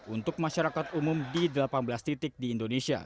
untuk masyarakat umum di delapan belas titik di indonesia